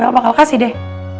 el bakal kasih deh